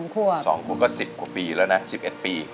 ๒ครัว๒ครัวก็๑๐กว่าปีแล้วนะ๑๑ปี